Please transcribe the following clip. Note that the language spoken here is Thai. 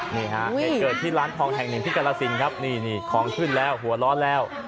เหตุเกิดที่ร้านทองแห่งหนึ่งที่กรสินครับนี่ของขึ้นแล้วหัวร้อนแล้ว